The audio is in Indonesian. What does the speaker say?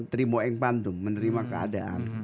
terima yang pandu menerima keadaan